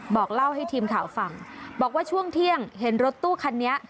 บอกเล่าให้ทีมข่าวฟังบอกว่าช่วงเที่ยงเห็นรถตู้คันนี้